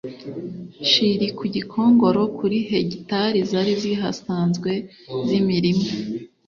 nshiri ku gikongoro kuri hegitari zari zihasanzwe z imirima